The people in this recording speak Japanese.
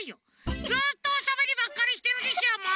ずっとおしゃべりばっかりしてるでしょもう。